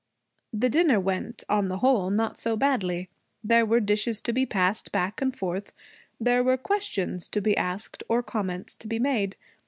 The dinner went, on the whole, not so badly. There were dishes to be passed back and forth. There were questions to be asked or comments to be made.